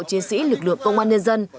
chiến sĩ lực lượng công an nhân dân